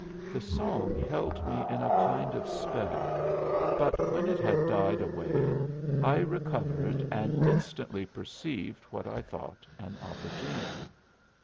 The song held me in a kind of spell, but when it had died away I recovered and instantly perceived what I thought an opportunity.